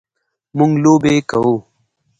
مونږ لوبې کوو